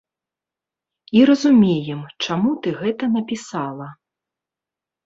І разумеем, чаму ты гэта напісала.